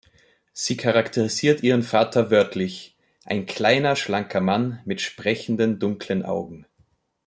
Sie charakterisiert ihren Vater wörtlich: "„Ein kleiner, schlanker Mann mit sprechenden dunklen Augen.